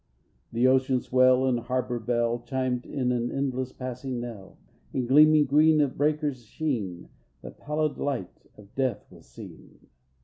The ocean swell and harbor bell Chimed in an endless passing knell. In gleaming green of breaker's sheen, The pallid light of death was seen.